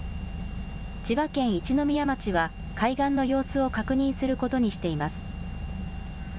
千葉県一宮町は海岸の様子を確認することにしています。